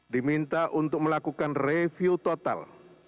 diminta untuk melakukan review total